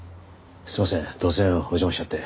すいません突然お邪魔しちゃって。